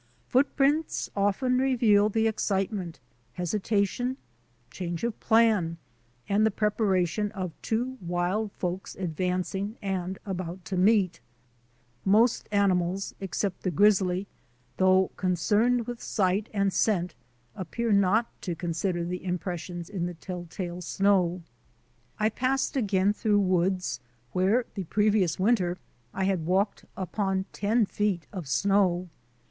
Footprints often reveal the excitement, hesita tion, change of plan, and the preparation of two wild folks advancing and about to meet. Most animals, except the grizzly, though concerned with sight and scent, appear not to consider the impres sions in the tell tale snow. I passed again through woods where the previous winter I had walked upon ten feet of snow.